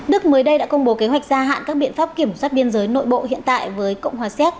đức mới đây đã công bố kế hoạch gia hạn các biện pháp kiểm soát biên giới nội bộ hiện tại với cộng hòa xéc